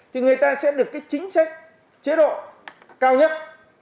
thì người ta sẽ được cái chính sách chế độ cao nhất